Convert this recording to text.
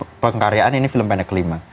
kalau secara pengkaryaan ini film pendek kelima